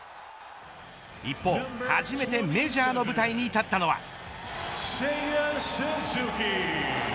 一方、初めてメジャーの舞台に立ったのは。